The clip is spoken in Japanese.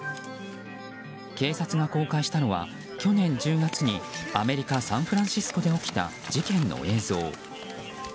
警察が公開したのは去年１０月にアメリカ・サンフランシスコで起きた事件の映像。